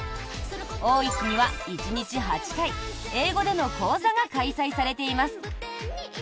多い日には１日８回英語での講座が開催されています。